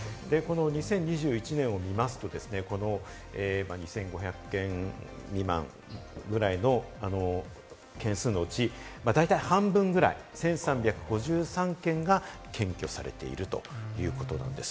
２０２１年を見ますと、２５００件未満ぐらいの件数のうち、大体半分くらい、１３５３件が検挙されているということなんです。